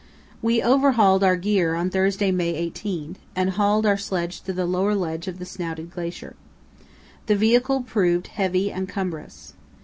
We overhauled our gear on Thursday, May 18; and hauled our sledge to the lower edge of the snouted glacier. The vehicle proved heavy and cumbrous.